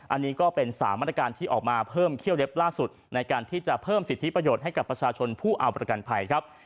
อันนี้ก็เป็น๓มาตรการที่ออกมาเพิ่มเคี่ยวเล็บล่าสุดในการที่จะเพิ่มสิทธิประโยชน์ให้กับประชาชนผู้เอาประกันภัยครับ